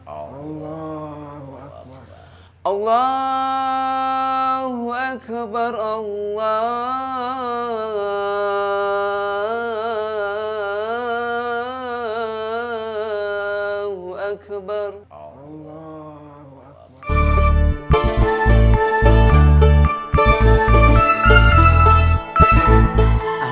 allahu akbar allahu akbar